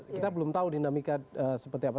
kita belum tahu dinamika seperti apa